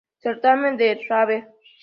Certamen de Rabel.